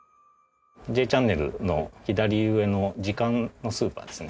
『Ｊチャンネル』の左上の時間のスーパーですね。